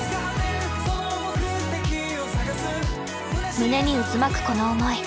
胸に渦巻くこの思い。